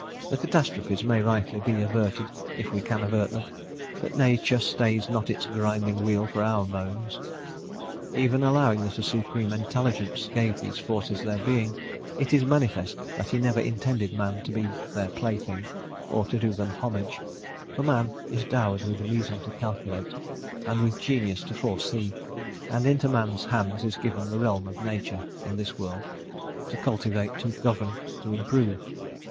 The catastrophes may rightly be averted, if we can avert them; but nature stays not its grinding wheel for our moans. Even allowing that a Supreme Intelligence gave these forces their being, it is manifest that he never intended man to be their plaything, or to do them homage; for man is dowered with reason to calculate, and with genius to foresee; and into man's hands is given the realm of nature (in this world) to cultivate, to govern, to improve.